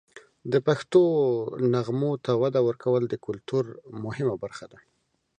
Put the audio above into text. د پښتو نغمو ته وده ورکول د کلتور مهمه برخه ده.